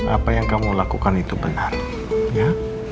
apa yang kamu lakukan itu benar ya